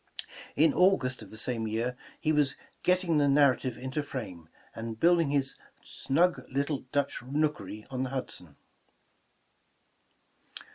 In August of the same year, he was ''getting the narrative into frame," and build ing his ''snug little Dutch nookery" on the Hudson.